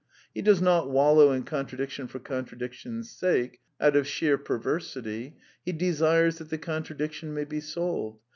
He does not wallow in contradiction for contra diction's sake, out of sheer perversity. He desires that the contradiction may be solved.